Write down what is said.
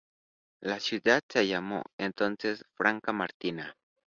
La ciudad se llamó entonces Franca Martina.